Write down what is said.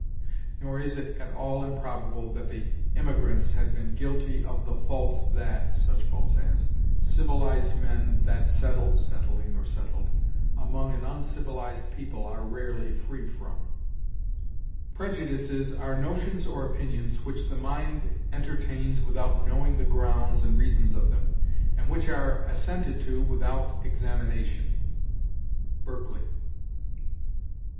'Nor is it at all improbable that the emigrants had been guilty of the faults that (such faults as) civilized men that settle (settling, or settled) among an uncivilized people are rarely free from.' "'Prejudices are notions or opinions which the mind entertains without knowing the grounds and reasons of them, and which are assented to without examination.' Berkeley.